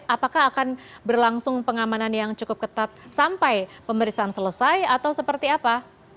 apakah akan berlangsung pengamanan yang cukup ketat sampai pemeriksaan selesai atau seperti apa